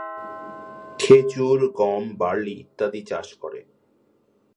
খেজুর, গম, বার্লি ইত্যাদি চাষ করে।